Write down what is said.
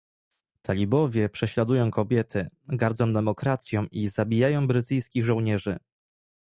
Talibowie prześladują kobiety, gardzą demokracją i zabijają brytyjskich żołnierzy